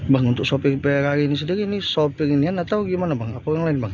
bang untuk sopir pr hari ini sendiri ini sopir inian atau gimana bang apa yang lain bang